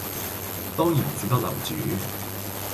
當然唔少得樓主